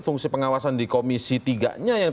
fungsi pengawasan di komisi tiga nya yang